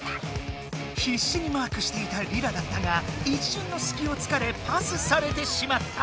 ひっしにマークしていたリラだったがいっしゅんのすきをつかれパスされてしまった。